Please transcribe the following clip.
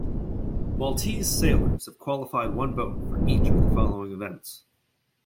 Maltese sailors have qualified one boat for each of the following events.